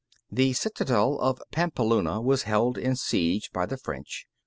The citadel of Pampeluna was held in siege by the French.